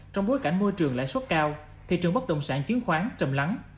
trong bối cảnh môi trường lãi suất cao thị trường bất đồng sản chiến khoán trầm lắng